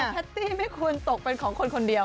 แพตตี้ไม่ควรตกเป็นของคนคนเดียว